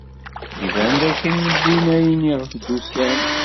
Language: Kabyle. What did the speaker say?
Iban dakken wwin ayen iɣef d-usan.